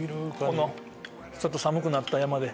この、ちょっと寒くなった山で。